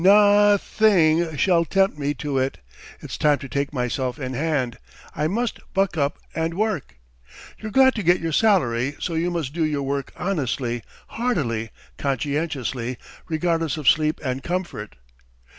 .. n o thing shall tempt me to it. It's time to take myself in hand; I must buck up and work. .. You're glad to get your salary, so you must do your work honestly, heartily, conscientiously, regardless of sleep and comfort.